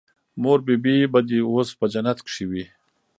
مور بي بي به دې اوس په جنت کښې وي.